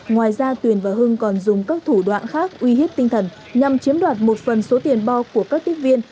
ngoài ra tuyền và hưng còn dùng các thủ đoạn khác uy hiếp tinh thần nhằm chiếm đoạt một phần số tiền bo của các tiếp viên